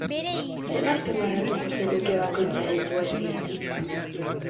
Zer azpimarratuko zenuke bakoitzaren poesiatik?